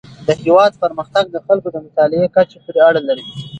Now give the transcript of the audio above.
د هیواد پرمختګ د خلکو د مطالعې کچې پورې اړه لري.